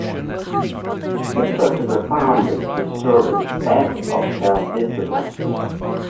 It was a profoundly disturbing act of self-discipline.